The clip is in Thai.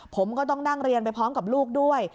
ผมก็ต้องนั่งเรียนไปพร้อมกับลูกด้วย